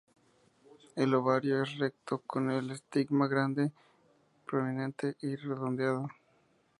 El ovario es recto con el estigma grande, prominente y redondeado.